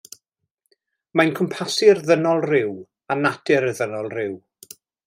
Mae'n cwmpasu'r ddynol ryw a natur y ddynol ryw.